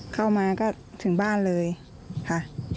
เข้ามาก็ถึงบ้านเลยค่ะ